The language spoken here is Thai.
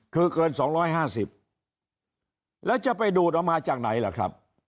คือเกินสองร้อยห้าสิบแล้วจะไปดูดเอามาจากไหนล่ะครับ